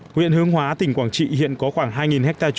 nguyện hương hóa tỉnh quảng trị hiện có khoảng hai đồng